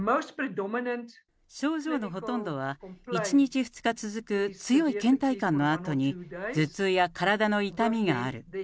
症状のほとんどは１日、２日続く強いけん怠感のあとに、頭痛や体の痛みがある。